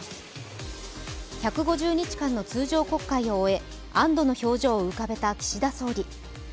１５０日間の通常国会を終え、安どの表情を浮かべた岸田総理。